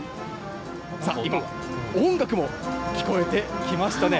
さあ、今、音楽も聴こえてきましたね。